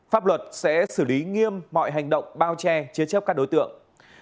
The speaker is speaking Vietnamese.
pháp luật sẽ xử lý nghiêm mọi hành động bao che chế chấp các đối tượng